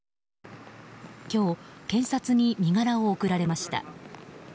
今日、検察に身柄を送られました。